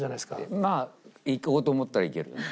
まあ行こうと思ったら行けるよね。